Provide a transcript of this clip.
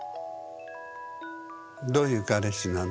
どういう彼氏なの？